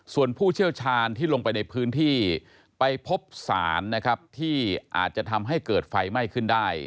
ส่วนผู้เชี่ยวชาญที่ลงไปในพื้นที่ไปพบสารนะครับที่อาจจะทำให้เกิดไฟไหม้ขึ้นได้